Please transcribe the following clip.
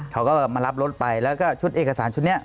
เขาก็มารับรถไปแล้วก็ชุดเอกสารชุดนี้